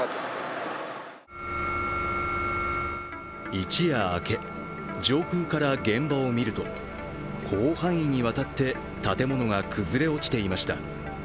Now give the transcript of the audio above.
一夜明け、上空から現場を見ると広範囲にわたって建物が崩れ落ちていました。